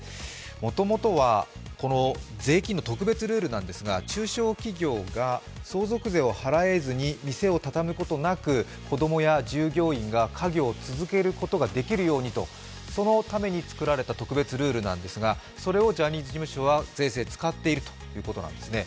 もともとは税金の特別ルールなんですが中小企業が相続税を払えずに店をたたむことなく、子供や従業員が家業を続けることができるようにとそのために作られた特別ルールなんですが、それをジャニーズ事務所は税制を使っているということなんですね。